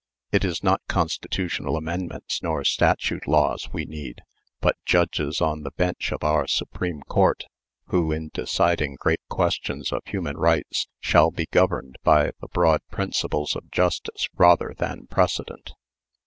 It is not Constitutional amendments nor statute laws we need, but judges on the bench of our Supreme Court, who, in deciding great questions of human rights, shall be governed by the broad principles of justice rather than precedent.